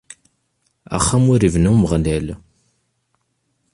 Axxam ur ibni Umeɣlal.